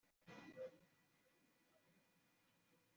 Su hábitat natural son los arrecifes de coral y costeros lagos salinos.